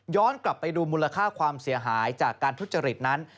กลับไปดูมูลค่าความเสียหายจากการทุจริตนั้น